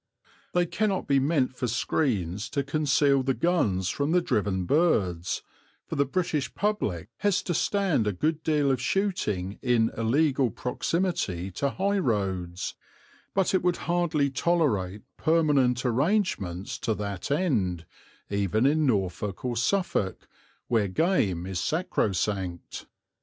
They cannot be meant for screens to conceal the guns from the driven birds, for the British public has to stand a good deal of shooting in illegal proximity to high roads, but it would hardly tolerate permanent arrangements to that end, even in Norfolk or Suffolk, where game is sacrosanct.